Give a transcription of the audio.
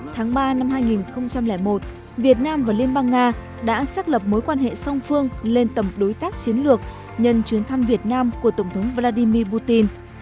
tháng ba năm hai nghìn một việt nam và liên bang nga đã xác lập mối quan hệ song phương lên tầm đối tác chiến lược nhân chuyến thăm việt nam của tổng thống vladimir putin